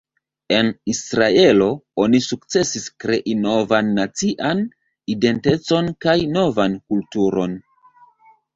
En Israelo oni sukcesis krei novan nacian identecon kaj novan kulturon.